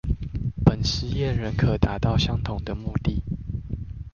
本實驗仍可達到相同的目的